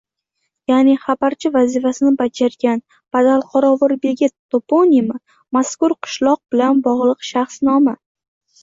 ya’ni xabarchi vazifasini bajargan.. Badalqorovulbegi toponimi mazkur qishloq bilan bog‘liq shaxs nomi